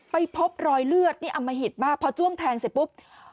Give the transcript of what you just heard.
ไปพบรอยเลือดนี่อมหิตมากพอจ้วงแทงเสร็จปุ๊บ